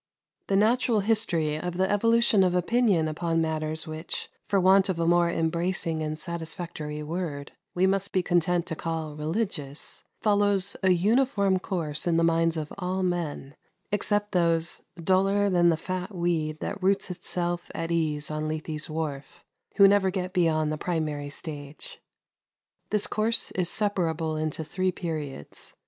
The natural history of the evolution of opinion upon matters which, for want of a more embracing and satisfactory word, we must be content to call "religious," follows a uniform course in the minds of all men, except those "duller than the fat weed that roots itself at ease on Lethe's wharf," who never get beyond the primary stage. This course is separable into three periods.